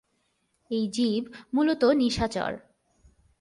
এই জীব মুলত নিশাচর।